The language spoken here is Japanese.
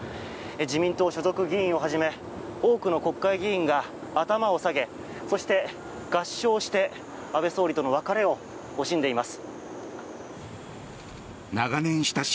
自民党所属議員をはじめ多くの国会議員が頭を下げ、そして合掌して安倍元総理との別れを惜しんでいます。